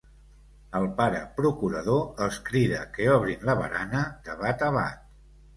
El pare procurador els crida que obrin la barana de bat a bat.